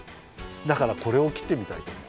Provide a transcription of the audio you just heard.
だからこれをきってみたいとおもう。